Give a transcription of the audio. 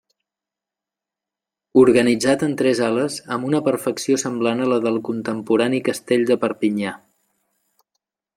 Organitzat en tres ales, amb una perfecció semblant a la del contemporani castell de Perpinyà.